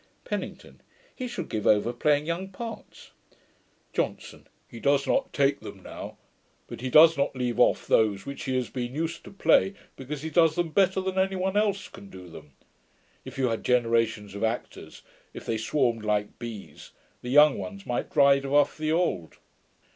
PENNINGTON. 'He should give over playing young parts.' JOHNSON. 'He does not take them now; but he does not leave off those which he has been used to play, because he does them better than any one else can do them. If you had generations of actors, if they swarmed like bees, the young ones might drive off the old.